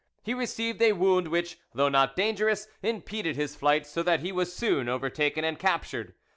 He received a wound which, though not dangerous, impeded his flight, so that he was boon overtaken and captured.